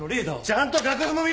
ちゃんと楽譜も見ろ！